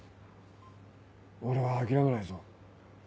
俺は諦めないぞ。